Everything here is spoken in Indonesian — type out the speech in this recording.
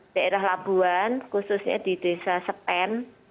daerah labuan khususnya di desa sepem